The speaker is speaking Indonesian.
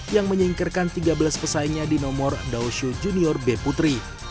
yang menyingkirkan tiga belas pesaingnya di nomor daoshu junior b putri